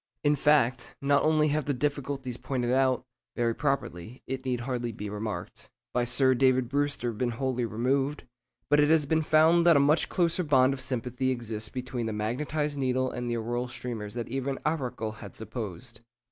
In fact, not only have the difficulties pointed out (very properly, it need hardly be remarked) by Sir David Brewster been wholly removed; but it has been found that a much closer bond of sympathy exists between the magnetised needle and the auroral streamers than even Arago had supposed.